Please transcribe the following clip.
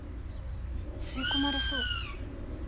吸い込まれそう。